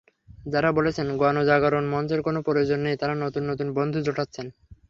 যারা বলছেন, গণজাগরণ মঞ্চের কোনো প্রয়োজন নেই, তারা নতুন নতুন বন্ধু জোটাচ্ছেন।